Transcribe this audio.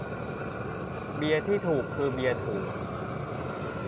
"เบียร์ที่ถูกคือเบียร์ถูก"